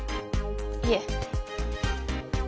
いえ。